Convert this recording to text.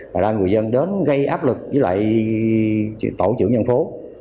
và là người dân đến gây áp lực với lại tổ chủ nhân phố